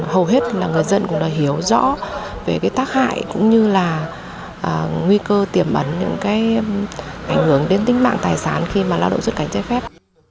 hầu hết là người dân cũng đã hiểu rõ về cái tác hại cũng như là nguy cơ tiềm ẩn những cái ảnh hưởng đến tính mạng tài sản khi mà lao động xuất cảnh trái phép